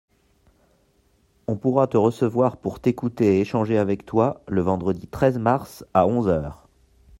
On pourra te recevoir pour t’écouter et échanger avec toi le vendredi treize mars à onze heures.